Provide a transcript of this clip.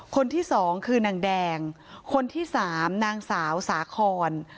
คนที่สองคือนางแดงคนที่สามนางสาวสาคอน